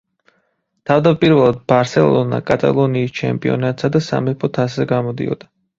თავდაპირველად „ბარსელონა“ კატალონიის ჩემპიონატსა და სამეფო თასზე გამოდიოდა.